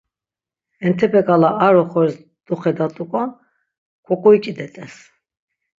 Entepe k̆ala ar oxoris doxedat̆uk̆on kok̆uik̆idet̆es.